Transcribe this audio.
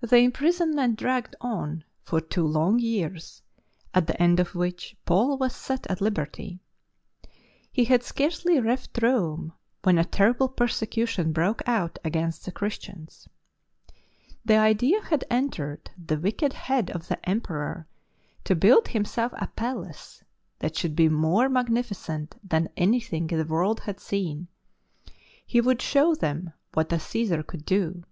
The imprisonment dragged on for two long years, at the end of which Paul was set at liberty. He had scarcely left Rome when a terrible persecution broke out against the Christians. The idea had entered the wicked head of the Emperor to build himself a palace that should be more magnificent than anything the world had seen. He would show them what a Caesar could do.